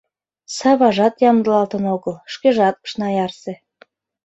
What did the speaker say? Саважат ямдылалтын огыл, шкежат ышна ярсе...